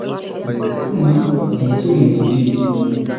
Mpuma kwa Kinyaturu ni tumbili